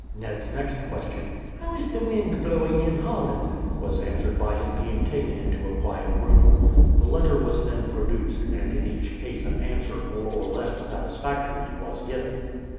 Ned's next question: "How is the wind blowing in Holland?" was answered by his being taken into a quiet room. The letter was then produced, and in each case an answer more or less satisfactory was given.